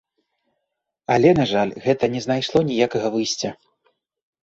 Але, на жаль, гэта не знайшло ніякага выйсця.